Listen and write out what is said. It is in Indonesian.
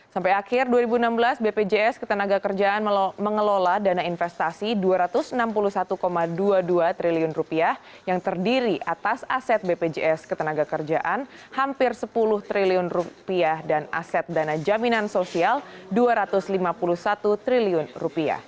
sampai akhir dua ribu enam belas bpjs ketenaga kerjaan mengelola dana investasi rp dua ratus enam puluh satu dua puluh dua triliun yang terdiri atas aset bpjs ketenaga kerjaan hampir rp sepuluh triliun dan aset dana jaminan sosial rp dua ratus lima puluh satu triliun